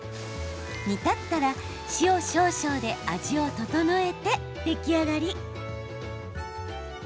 煮立ったら塩少々で味を調えて出来上がり。